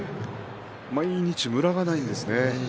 毎日ムラがないんですね。